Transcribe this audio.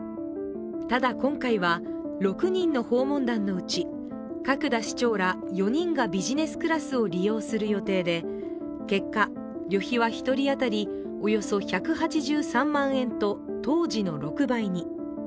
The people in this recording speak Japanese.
ただ今回は６人の訪問団のうち、角田市長ら４人がビジネスクラスを利用する予定で結果、旅費は１人当たりおよそ１８３万円と当時の６倍に。